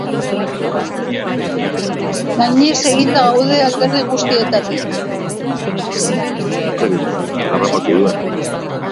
Gainez eginda gaude alderdi guztietatik.